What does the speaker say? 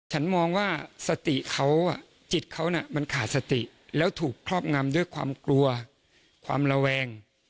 ฉันมองว่าสติเขาจิตเขามันขาดสติแล้วถูกครอบงำด้วยความกลัวความระแวง